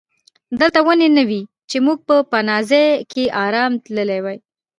دلته ونې نه وې چې موږ په پناه ځای کې آرام تللي وای.